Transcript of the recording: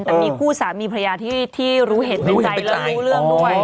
แต่มีคู่สามีภรรยาที่รู้เห็นในใจแล้วรู้เรื่องด้วย